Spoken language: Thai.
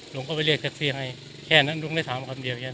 ลงไปเรียกแท็กซี่ให้แค่นั้นลุงได้ถามคำเดียวอย่างนี้